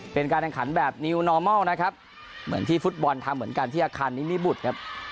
เป็นการแข่งขันแบบนิวนอร์มอลนะครับเหมือนที่ฟุตบอลทำเหมือนกันที่อาคารนิมิบุตรครับ